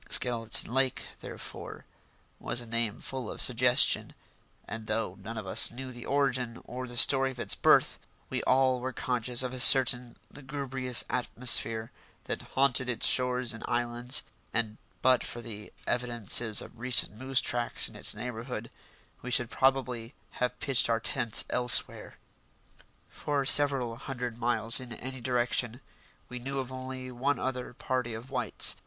Skeleton Lake, therefore, was a name full of suggestion, and though none of us knew the origin or the story of its birth, we all were conscious of a certain lugubrious atmosphere that haunted its shores and islands, and but for the evidences of recent moose tracks in its neighbourhood we should probably have pitched our tents elsewhere. For several hundred miles in any direction we knew of only one other party of whites.